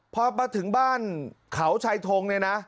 พอมาถึงบ้านเขาชายทงเนี่ยนะ